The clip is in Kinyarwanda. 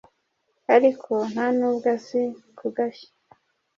arko ntanubwo azi kugashya